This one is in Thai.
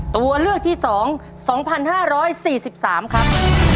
ตัวเลือกที่๒๒๕๔๓ครับ